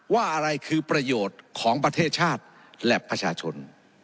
ว่าอะไรคือประโยชน์ของประเทศชาติและประชาชน